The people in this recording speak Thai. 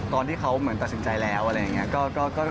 ตอนที่เขาเหมือนตัดสินใจแล้วอะไรอย่างนี้